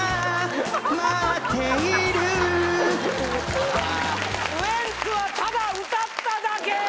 これウエンツはただ歌っただけー！